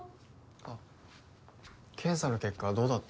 あっ検査の結果どうだった？